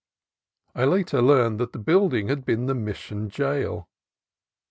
I learned later that the building had been the Mission jail.